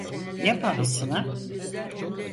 Ne pahasına?